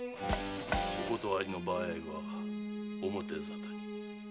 お断りの場合は表沙汰に。